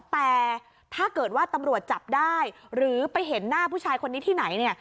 แต่ถ้าเกิดว่าตำรวจจับได้หรือไปเห็นหน้าผู้ชายคนนี้ที่ไหนเนี่ย